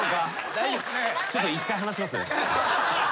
ちょっと一回離しますね。